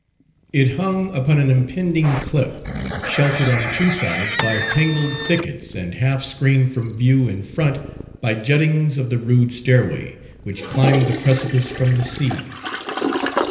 It hung upon an impending cliff, sheltered on two sides by tangled thickets, and half screened from view in front by juttings of the rude stairway, which climbed the precipice from the sea.